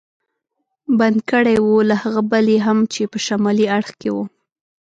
بند کړی و، له هغه بل یې هم چې په شمالي اړخ کې و.